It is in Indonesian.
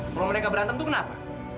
kalau mereka berantem tuh kenapa